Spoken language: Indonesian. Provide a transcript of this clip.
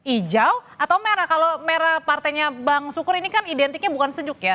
hijau atau merah kalau merah partainya bang sukur ini kan identiknya bukan sejuk ya